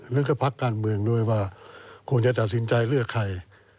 และก็ภักดิ์การเมืองโดยว่าควรจะตัดสินใจเลือกใคร